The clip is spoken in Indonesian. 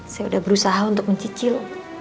saya sudah berusaha untuk mencicil